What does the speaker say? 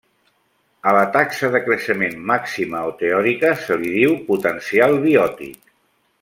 A la taxa de creixement màxima o teòrica se li diu potencial biòtic.